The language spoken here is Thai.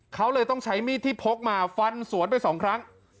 เขาเลยต้องใช้มีดที่พกมาฟันสวนไปสองครั้ง